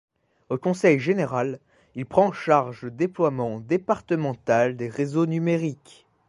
Au conseil général, il prend en charge le déploiement départemental des réseaux numériques.